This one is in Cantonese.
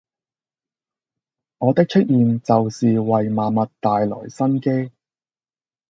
我的出現就是為萬物帶來生機